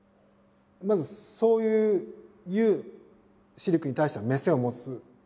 まずそういうシルクに対しての目線を持つ。